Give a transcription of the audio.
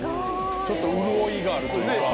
ちょっと潤いがあるというかねえ